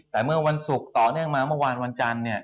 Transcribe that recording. แต่เมื่อวันศุกร์ต่อเนื่องมาเมื่อวานวันจันทร์